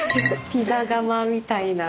ピザ窯みたいな。